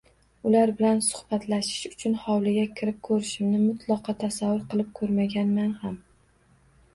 Ular bilan suhbatlashish uchun hovliga kirib ko`rishimni mutlaqo tasavvur qilib ko`rmaganman ham